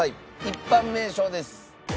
一般名称です。